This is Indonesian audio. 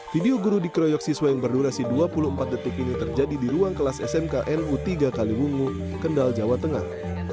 video guru dikeroyok siswa yang berdurasi dua puluh empat detik ini terjadi di ruang kelas smk nu tiga kaliwungu kendal jawa tengah